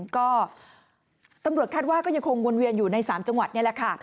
ก็ตำรวจคาดว่าก็ยังคงวนเวียนอยู่ใน๓จังหวัดนี่แหละค่ะ